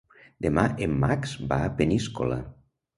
Demà en Max va a Peníscola.